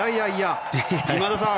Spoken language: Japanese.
今田さん